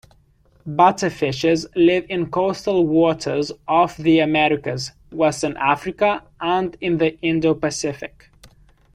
Butterfishes live in coastal waters off the Americas, western Africa and in the Indo-Pacific.